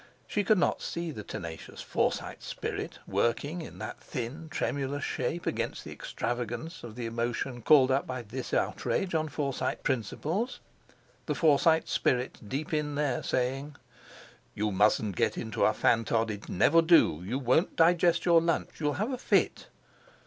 She could not see the tenacious Forsyte spirit working in that thin, tremulous shape against the extravagance of the emotion called up by this outrage on Forsyte principles—the Forsyte spirit deep in there, saying: "You mustn't get into a fantod, it'll never do. You won't digest your lunch. You'll have a fit!"